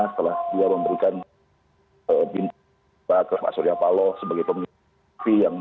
setelah dia memberikan bintang ke pak surya paloh sebagai pemimpin